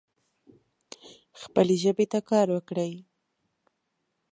خپلې ژبې ته کار وکړئ